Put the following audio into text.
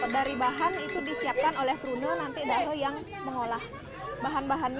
dari bahan itu disiapkan oleh turunnya nanti dahel yang mengolah